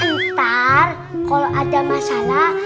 ntar kalau ada masalah